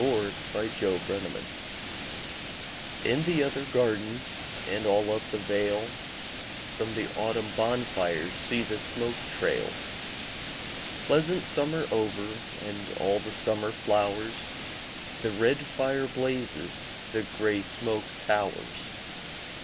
VI Autumn Fires In the other gardens And all up the vale, From the autumn bonfires See the smoke trail! Pleasant summer over And all the summer flowers, The red fire blazes, The grey smoke towers.